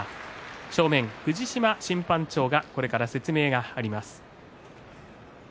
正面、藤島審判長からこれから説明があります。